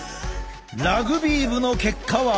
ラグビー部の結果は。